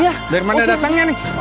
dari mana datangnya nih